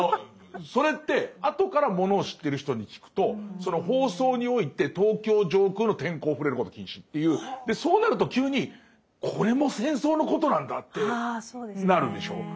それってあとからものを知ってる人に聞くとその放送において東京上空の天候を触れること禁止っていうそうなると急にこれも戦争のことなんだってなるでしょ。